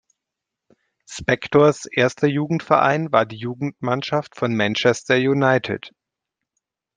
Spectors erster Jugendverein war die Jugendmannschaft von Manchester United.